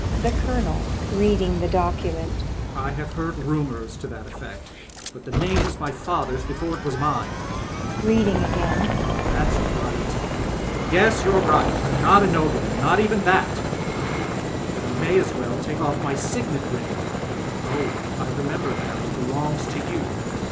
Colonel. [Reeding the document] I have heard rumours to that effect, but the name was my father's before it was mine [Eecding again] That's right ! Yes, you are right — ^I am not a nobleman ! Not even that !— Then I may as 130 THE SPOOK SONATA bcenbh well take off my signet ring Oh, I remember now. ... It belongs to you.